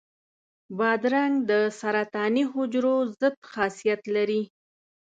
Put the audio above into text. بادرنګ د سرطاني حجرو ضد خاصیت لري.